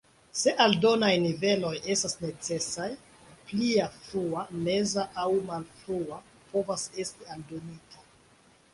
Se aldonaj niveloj estas necesaj, plia "Frua", "Meza" aŭ "Malfrua" povas esti aldonita.